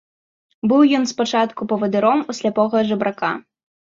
Быў ён спачатку павадыром у сляпога жабрака.